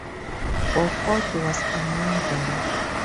Bokod was among them.